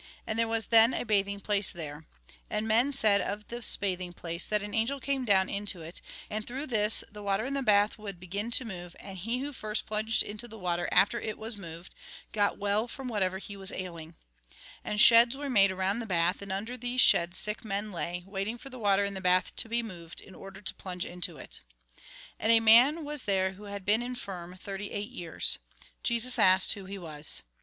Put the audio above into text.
And there was then a bathing place there. And men said of this bathing place, that an angel came down into it, and through this the water in the bath would begin to move, and he who first plunged into the water after it was moved, got well from what ever he was ailing. And sheds were made around the bath, and under these sheds sick men lay, wait ing for the water in the bath to be moved, in order to plunge into it. Jn. iv. 3L 32. 33. 34. Jn. THE TRUE LIFE 63 Jii. V. 6. 16. 17. 19. 20. 21. And a man was there who had been infirm thirty eight years. Jesus asked who he was.